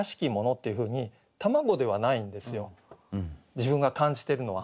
自分が感じてるのは。